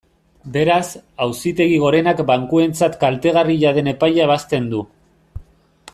Beraz, Auzitegi Gorenak bankuentzat kaltegarria den epaia ebazten du.